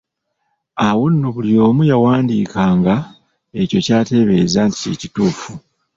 Awo nno buli omu yawandiikanga ekyo ky'ateebereza nti kye kituufu.